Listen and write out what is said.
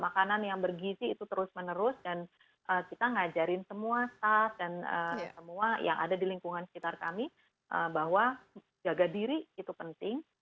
makanan yang bergizi itu terus menerus dan kita ngajarin semua staff dan semua yang ada di lingkungan sekitar kami bahwa jaga diri itu penting